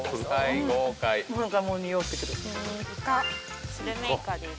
イカスルメイカです